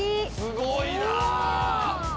すごいな！